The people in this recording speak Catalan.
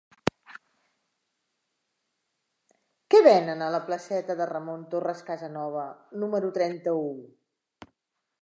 Què venen a la placeta de Ramon Torres Casanova número trenta-u?